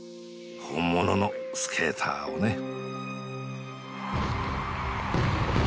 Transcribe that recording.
本物のスケーターをね。